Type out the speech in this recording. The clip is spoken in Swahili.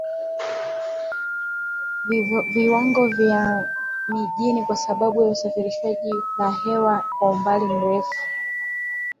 viwango vya mijini kwa sababu ya husafirishwa na hewa kwa umbali mrefu